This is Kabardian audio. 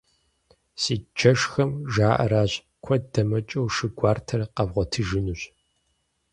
Си джэшхэм жаӀэращ: куэд дэмыкӀыу, шы гуартэр къэвгъуэтыжынущ.